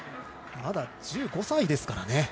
まだ１５歳ですからね